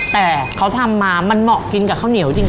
แต่เขาทำมามันเหมาะกินกับข้าวเหนียวจริง